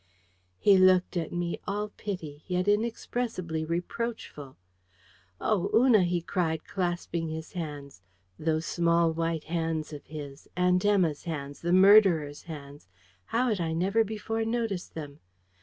He looked at me, all pity, yet inexpressibly reproachful. "Oh, Una," he cried, clasping his hands those small white hands of his Aunt Emma's hands the murderer's hands how had I never before noticed them?